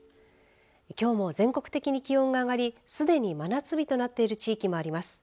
きょうも全国的に気温が上がりすでに真夏日となってる地域もあります。